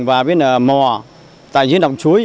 và bên mò tại dưới đồng chuối